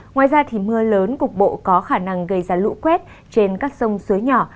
ngoài ra mưa lớn cục bộ có khả năng gây ra lũ quét trên các sông suối nhỏ